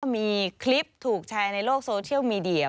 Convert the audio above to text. มีคลิปถูกแชร์ในโลกโซเชียลมีเดีย